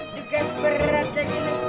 dekat berat lagi nih